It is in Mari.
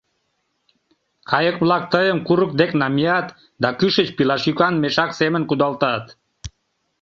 Кайык-влак тыйым курык дек намият да кӱшыч пилашӱкан мешак семын кудалтат.